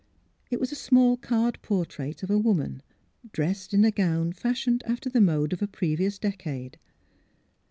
It was a small card portrait of a woman, pressed in a gown fashioned after the mode of a previous decade.